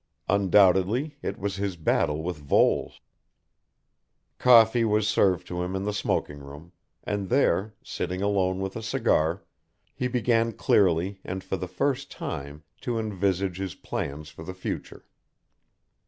Undoubtedly it was his battle with Voles. Coffee was served to him in the smoking room, and there, sitting alone with a cigar, he began clearly and for the first time to envisage his plans for the future.